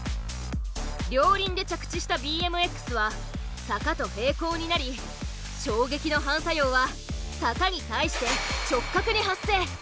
両輪で着地したＢＭＸは坂と平行になり衝撃の反作用は坂に対して直角に発生。